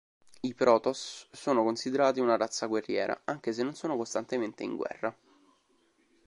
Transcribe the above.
I Protoss sono considerati una razza guerriera anche se non sono costantemente in guerra.